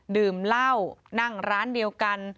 ดื่มเหล้านั่งร้านเดียวกัน